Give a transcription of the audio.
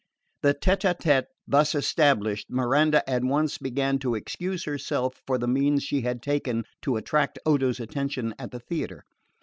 The tete a tete thus established, Miranda at once began to excuse herself for the means she had taken to attract Odo's attention at the theatre.